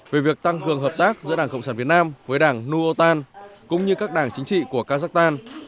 về việc tăng cường hợp tác giữa đảng cộng sản việt nam với đảng nuotan cũng như các đảng chính trị của kazakhstan